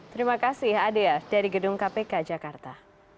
terima kasih adea dari gedung kpk jakarta